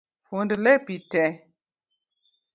Fund lepi tee